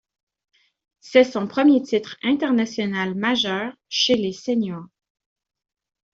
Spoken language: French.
C'est son premier titre international majeur chez les séniors.